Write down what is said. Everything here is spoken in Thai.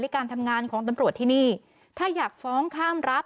การทำงานของตำรวจที่นี่ถ้าอยากฟ้องข้ามรัฐ